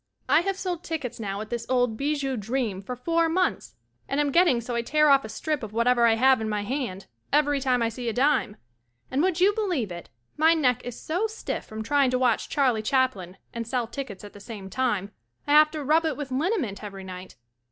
I have sold tick ets now at this old "Bijou Dream" for four months and am getting so I tear off a strip of whatever I have in my hand every time I see a dime and would you believe it my neck is so stiff from try ing to watch Char ley Chaplin and sell tickets at the same time I have to rub it with linnament every night.